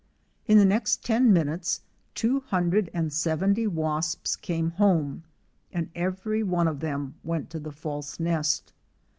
In the next ten minutes two hundred and seventy wasps came home, and every one of them went to the false nest.